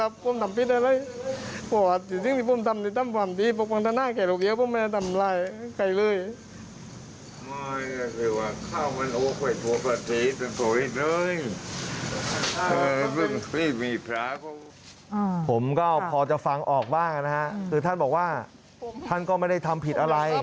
ผมก็พอจะฟังออกบ้างนะฮะคือท่านบอกว่าท่านก็ไม่ได้ทำผิดอะไร